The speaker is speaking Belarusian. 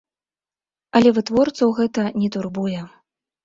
Але вытворцаў гэта не турбуе.